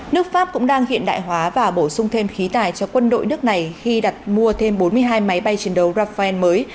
nước pháp cũng đang hiện đại hóa và bổ sung thêm khí tài cho quân đội nước này khi đặt mua thêm bốn mươi hai máy bay chiến đấu rafael mới